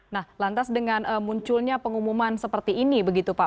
nah lantas dengan munculnya pengumuman seperti ini begitu pak